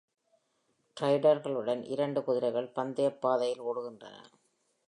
ரைடர்களுடன் இரண்டு குதிரைகள் பந்தயப் பாதையில் ஓடுகின்றன.